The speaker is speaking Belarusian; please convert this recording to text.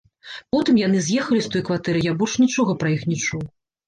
Потым яны з'ехалі з той кватэры, і я больш нічога пра іх не чуў.